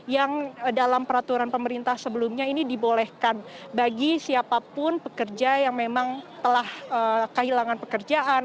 yang dalam peraturan pemerintah sebelumnya ini dibolehkan bagi siapapun pekerja yang memang telah kehilangan pekerjaan